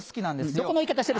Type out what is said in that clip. どこの言い方してる？